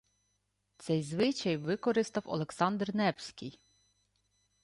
Цей звичай використав Олександр Невський